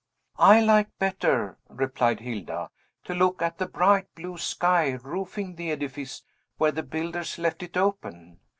"I like better," replied Hilda, "to look at the bright, blue sky, roofing the edifice where the builders left it open.